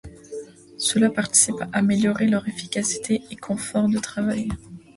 Cela participe à améliorer leur efficacité et confort de travail.